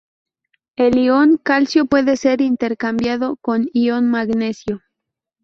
El ion calcio puede ser intercambiado con ion magnesio.